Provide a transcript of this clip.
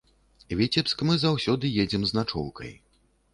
Віцебск мы заўсёды едзем з начоўкай.